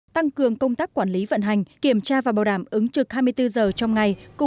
tăng cường công tác quản lý vận hành kiểm tra và bảo đảm ứng trực hai mươi bốn giờ trong ngày